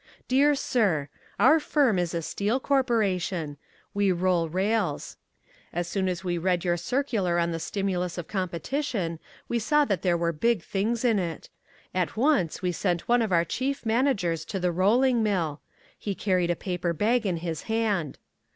Dear Sir: Our firm is a Steel Corporation. We roll rails. As soon as we read your circular on the Stimulus of Competition we saw that there were big things in it. At once we sent one of our chief managers to the rolling, mill. He carried a paper bag in his hand.